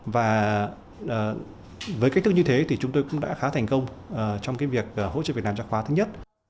và với cách thức như thế thì chúng tôi cũng đã khá thành công trong cái việc hỗ trợ việt nam cho khóa thứ nhất